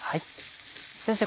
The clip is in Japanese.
先生